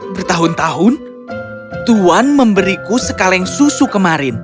bertahun tahun tuhan memberiku sekaleng susu kemarin